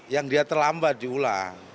yang dia terlambat diulang